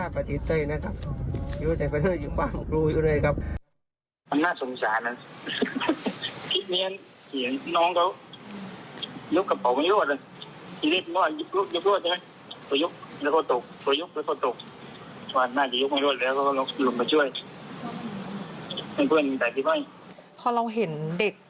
พอเราเห็นเด็ก